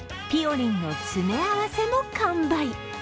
りんの詰め合わせも完売。